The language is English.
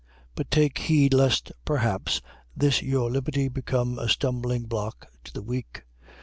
8:9. But take heed lest perhaps this your liberty become a stumblingblock to the weak.